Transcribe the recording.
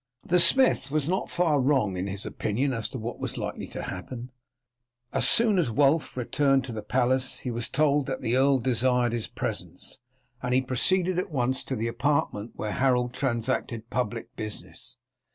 The smith was not far wrong in his opinion as to what was likely to happen. As soon as Wulf returned to the palace he was told that the earl desired his presence, and he proceeded at once to the apartment where Harold transacted public business.